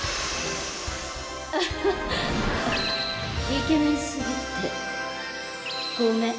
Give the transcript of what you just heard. イケメンすぎてごめん！